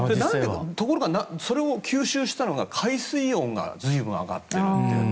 ところがそれを吸収したのが海水温が随分上がっていると。